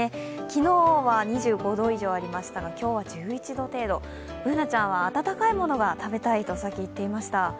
昨日は２５度以上ありましたが今日は１１度程度、Ｂｏｏｎａちゃんは暖かいものが食べたいと、さっき言っていました。